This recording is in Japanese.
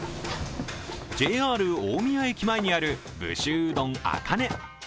大宮駅前にある武州うどんあかね。